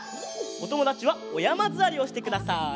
おともだちはおやまずわりをしてください。